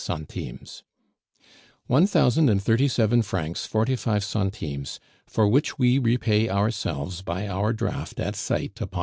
1037 45 _One thousand and thirty seven francs forty five centimes, for which we repay ourselves by our draft at sight upon M.